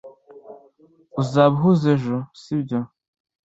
Uzaba uhuze ejo, sibyo?